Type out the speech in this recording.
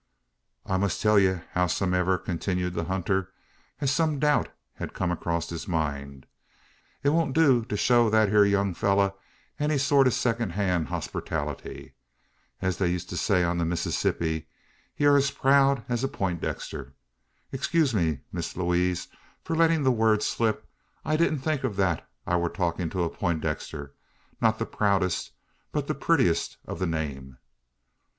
"I must tell ye, howsomdiver," continued the hunter, as some doubt had come across his mind, "it won't do to show that 'ere young fellur any sort o' second hand hospertality. As they used to say on the Massissippi, he air `as proud as a Peintdexter.' Excuse me, Miss Lewaze, for lettin' the word slip. I did think o't thet I war talkin' to a Peintdexter not the proudest, but the puttiest o' the name."